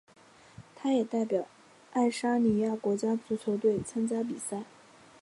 他也代表爱沙尼亚国家足球队参加比赛。